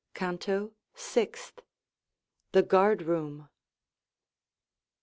CANTO SIXTH. The Guard room.